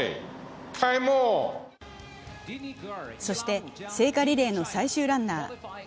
そして、聖火リレーの最終ランナー。